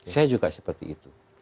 saya juga seperti itu